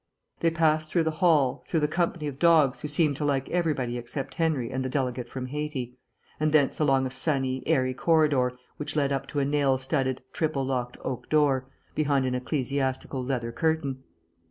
They passed through the hall, through the company of dogs who seemed to like everybody except Henry and the delegate from Haiti, and thence along a sunny, airy corridor which led up to a nail studded, triple locked oak door, behind an ecclesiastical leather curtain.